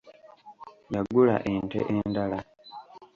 Yagula ente endala.